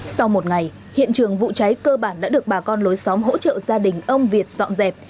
sau một ngày hiện trường vụ cháy cơ bản đã được bà con lối xóm hỗ trợ gia đình ông việt dọn dẹp